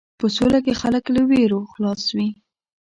په سوله کې خلک له وېرو خلاص وي.